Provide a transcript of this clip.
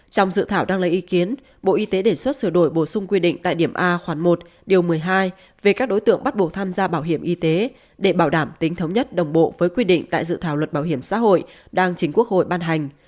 trong dự thảo đăng lấy ý kiến bộ y tế đề xuất sửa đổi bổ sung quy định tại điểm a khoản một điều một mươi hai về các đối tượng bắt buộc tham gia bảo hiểm y tế để bảo đảm tính thống nhất đồng bộ với quy định tại dự thảo luật bảo hiểm xã hội đang chính quốc hội ban hành